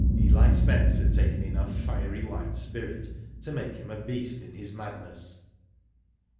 Eli Spence had taken enough fiery white spirit to make him a beast in his madness.